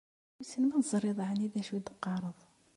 Wissen ma teẓriḍ yeεni d acu i d-teqqareḍ?